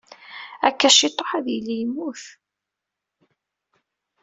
Akka ciṭuḥ, ad yili yemmut.